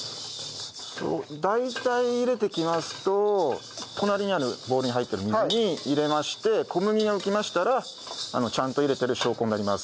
大体煎れてきますと隣にあるボウルに入ってる水に入れまして小麦が浮きましたらちゃんと煎れてる証拠になります。